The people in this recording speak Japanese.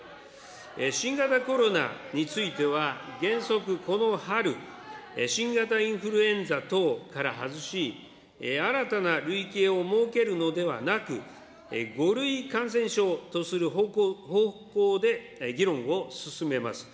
新型コロナについては、原則この春、新型インフルエンザ等から外し、新たな類型を設けるのではなく、５類感染症とする方向で議論を進めます。